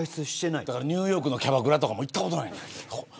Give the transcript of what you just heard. ニューヨークのキャバクラとかも行ったことないんや。